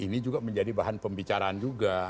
ini juga menjadi bahan pembicaraan juga